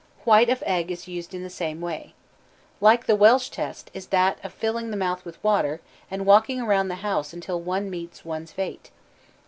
White of egg is used in the same way. Like the Welsh test is that of filling the mouth with water, and walking round the house until one meets one's fate.